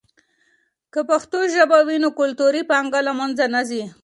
که پښتو ژبه وي، نو کلتوري پانګه له منځه نه ځي.